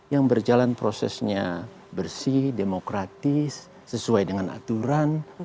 yang berjalan prosesnya bersih demokratis sesuai dengan aturan